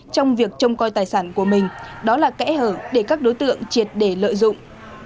trong việc trông coi tài sản của mình đó là kẽ hở để các đối tượng triệt để lợi dụng